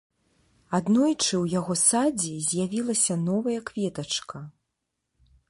Аднойчы ў яго садзе з'явілася новая кветачка.